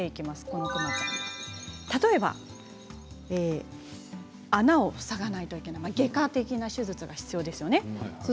例えば穴を塞がないといけない外科的な手術が必要ですね。